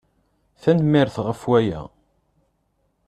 Tanemmirt ɣef waya.